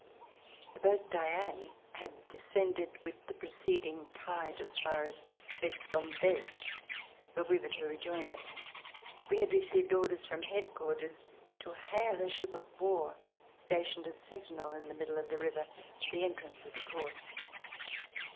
The boat "Diane" had descended with the pre ceding tide as far as Bee d'Ambez, where we were to rejoin it. We had received orders from headquarters to hail a ship of war stationed as a sentinel in the middle of the river at the entrance of the port.